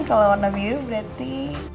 kalau warna biru berati